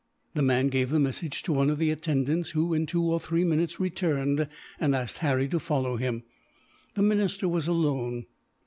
The man gave the message to one of the attendants who, in two or three minutes, returned and asked Harry to follow him. The minister was alone.